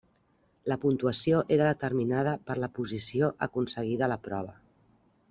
La puntuació era determinada per la posició aconseguida a la prova.